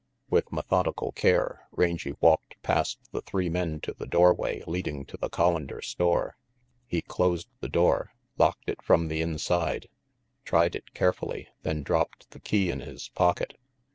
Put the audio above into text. With methodical care, Rangy walked past the three men to the doorway leading to the Collander store. He closed the door, locked it from the inside, tried it carefully, then dropped the key in his pocket.